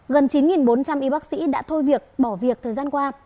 gần chín bốn trăm linh y bác sĩ đã thôi việc bỏ việc thời gian qua